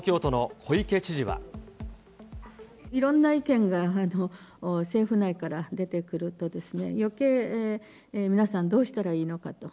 いろんな意見が、政府内から出てくると、よけい、皆さんどうしたらいいのかと。